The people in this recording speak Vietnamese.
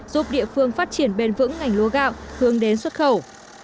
giúp địa phương phát triển bền vững ngành lúa gạo hướng đến xuất khẩu